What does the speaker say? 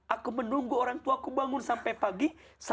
aku menunggu orang tuaku bangun sampai pagi